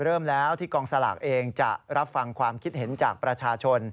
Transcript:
เริ่มแล้วที่กองสลากเองจะรับฟังความคิดเห็นจากประชาชน